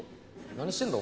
何してんだ？